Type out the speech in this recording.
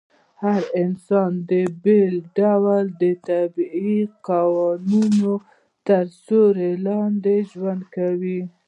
هر انسان په بېل ډول د طبيعي قوانينو تر سيوري لاندي ژوند کاوه